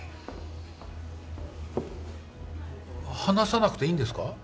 話さなくていいんですか？